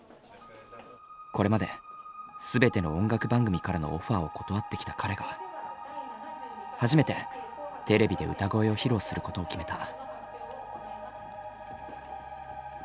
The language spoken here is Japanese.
これまで全ての音楽番組からのオファーを断ってきた彼が初めてテレビで歌声を披露することを決めた。